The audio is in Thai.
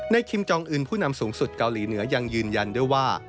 คิมจองอื่นผู้นำสูงสุดเกาหลีเหนือยังยืนยันด้วยว่า